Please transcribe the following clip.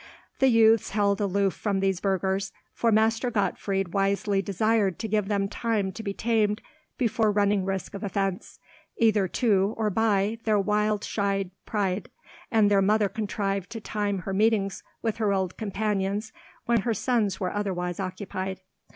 The youths held aloof from these burghers, for Master Gottfried wisely desired to give them time to be tamed before running risk of offence, either to, or by, their wild shy pride; and their mother contrived to time her meetings with her old companions when her sons were otherwise occupied.